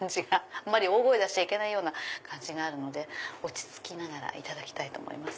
あんまり大声出しちゃいけないような感じがあるので落ち着きながらいただきたいと思います。